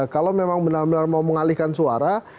kalau memang benar benar mau mengalihkan suara